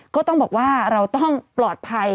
ก็ต้องบอกว่าเราต้องปลอดภัย